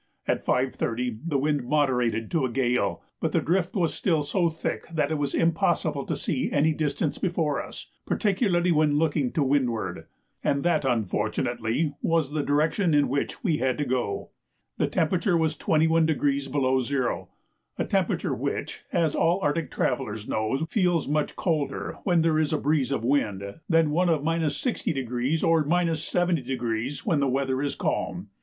At 5.30 the wind moderated to a gale, but the drift was still so thick that it was impossible to see any distance before us, particularly when looking to windward, and that unfortunately was the direction in which we had to go. The temperature was 21° below zero, a temperature which, as all Arctic travellers know, feels much colder, when there is a breeze of wind, than one of 60° or 70° when the weather is calm.